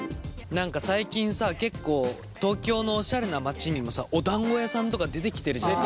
何か最近さ結構東京のおしゃれな街にもさおだんご屋さんとか出てきてるじゃん。